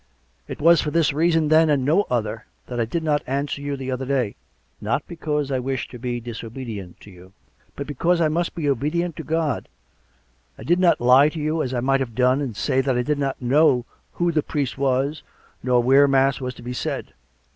It was for this reason, then, and no other, that I did not answer you the other day ; not because I wish to be disobedient to you, but because I must be obedient to God. I did not lie to you, as I might have done, and say that I did not know who the priest was nor where mass was to be said.